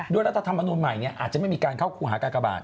ด้วยรัฐธรรมนุมใหม่เนี่ยอาจจะไม่มีการเข้าหาการกระบาด